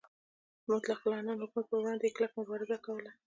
د مطلق العنان حکومت پروړاندې یې کلکه مبارزه کوله.